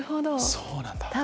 そうなんだ。